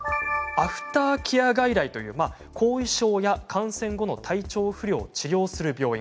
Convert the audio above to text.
アフターケア外来と呼ばれる後遺症や感染後の体調不良を治療する病院